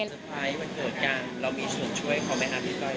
สุดท้ายวันเดินการเรามีช่วงช่วยเขาไม่ครับพี่ก้อย